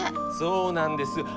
そうなんです。